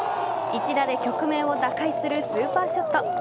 一打で局面を打開するスーパーショット。